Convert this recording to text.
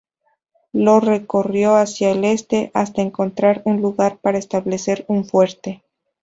Lo recorrió hacia el este, hasta encontrar un lugar para establecer un fuerte.